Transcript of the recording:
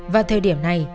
vào thời điểm này